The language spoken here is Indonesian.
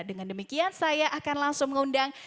dengan demikian saya akan langsung mengundang